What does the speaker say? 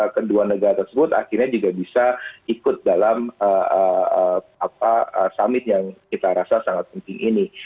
kedua negara tersebut akhirnya juga bisa ikut dalam summit yang kita rasa sangat penting ini